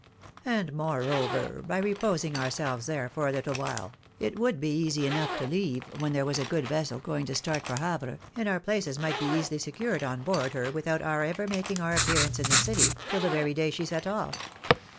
And, moreover, by reposing ourselves there for a little while, it would be easy enough to leave when there was a good vessel going to start for Havre, and our places might be easily secured on board her without our ever making our appearance in the city tiU the very day she set off.